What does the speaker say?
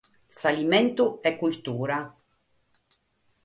S'alimentu est cultura.